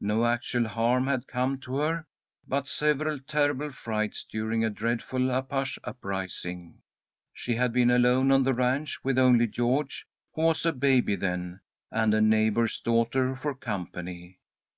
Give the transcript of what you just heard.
No actual harm had come to her, but several terrible frights during a dreadful Apache uprising. She had been alone on the ranch, with only George, who was a baby then, and a neighbour's daughter for company.